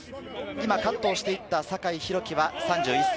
今カットしていた酒井宏樹は３１歳。